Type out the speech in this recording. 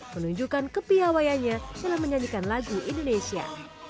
menunjukkan kepiawayanya dalam menyanyikan lagu indonesia